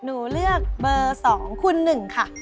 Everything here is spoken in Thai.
หนูเลือกเบอร์๒คุณ๑ค่ะ